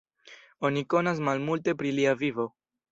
Oni konas malmulte pri lia vivo.